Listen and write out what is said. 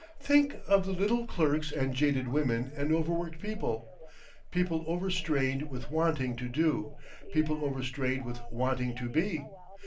"Think of the little clerks and jaded women and overworked people. People overstrained with wanting to do, people overstrained with wanting to be....